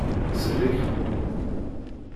Sellek.